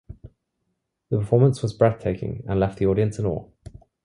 The performance was breathtaking and left the audience in awe.